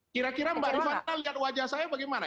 kira kira mbak rifatna lihat wajah saya bagaimana